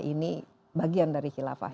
ini bagian dari kekilafah itu